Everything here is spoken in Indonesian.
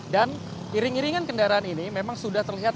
dan iring iringan kendaraan ini memang sudah terlihat